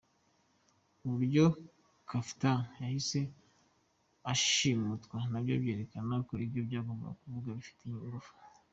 -Uburyo Gafirita yahise ashimutwa nabyo byerekana ko ibyo yagombaga kuvuga bifite ingufu